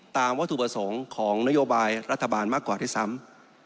ตามวัตถุประสงค์ของนโยบายรัฐบาลมากกว่าด้วยซ้ำ